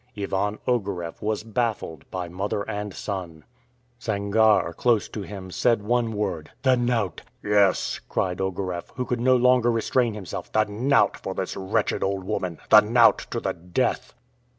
Ivan Ogareff was baffled by mother and son. Sangarre, close to him, said one word, "The knout!" "Yes," cried Ogareff, who could no longer restrain himself; "the knout for this wretched old woman the knout to the death!"